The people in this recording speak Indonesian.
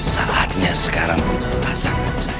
saatnya sekarang untuk mempermasakan saya